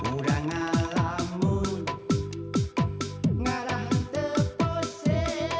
ura ngalamun ngarah tepose